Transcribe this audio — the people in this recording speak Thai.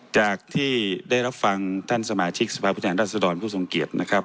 จากที่ได้รับฟังท่านสมาชิกสภาพผู้แทนรัศดรผู้ทรงเกียจนะครับ